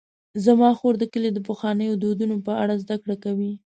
زما خور د کلي د پخوانیو دودونو په اړه زدهکړه کوي.